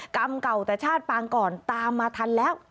กรรมเก่าแต่ชาติปางก่อนตามมาทันแล้ว